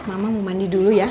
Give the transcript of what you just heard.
mama mau mandi dulu ya